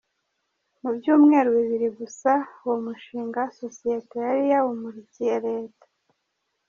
Mu byumweru bibiri gusa uwo mushinga sosiyete yari yawumurikiye Leta.